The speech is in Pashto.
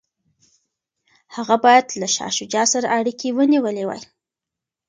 هغه باید له شاه شجاع سره اړیکي ونیولي وای.